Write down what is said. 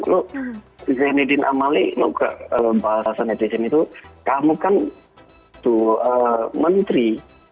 lo zainuddin amali lo ke bahasa netizen itu kamu kan tuh menteri